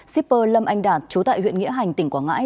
shipper lâm anh đạt trú tại huyện nghĩa hành tỉnh quảng ngãi